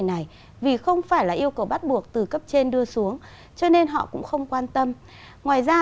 này vì không phải là yêu cầu bắt buộc từ cấp trên đưa xuống cho nên họ cũng không quan tâm ngoài ra